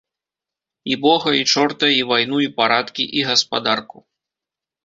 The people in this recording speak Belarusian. І бога, і чорта, і вайну, і парадкі, і гаспадарку.